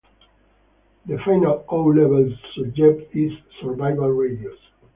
The final "O" level subject is Survival Radios.